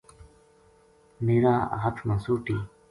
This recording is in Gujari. میر ا ہاتھ ما سوٹی